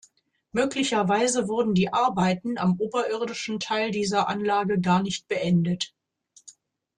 Möglicherweise wurden die Arbeiten am oberirdischen Teil dieser Anlage gar nicht beendet.